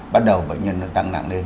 bắt đầu bệnh nhân nó tăng nặng lên